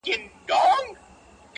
• د واک ترلاسه کولو لپاره ګټه واخیسته -